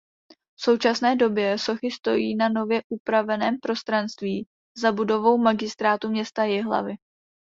V současné době sochy stojí na nově upraveném prostranství za budovou magistrátu města Jihlavy.